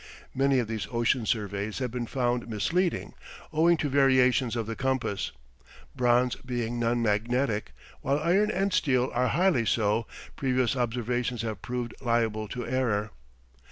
Many of these ocean surveys have been found misleading, owing to variations of the compass. Bronze being non magnetic, while iron and steel are highly so, previous observations have proved liable to error.